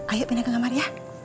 ayo pindah ke kamar ya